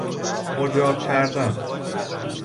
مجاب کردن